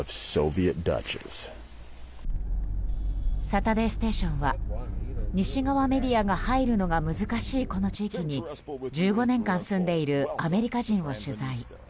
「サタデーステーション」は西側メディアが入るのが難しいこの地域に１５年間住んでいるアメリカ人を取材。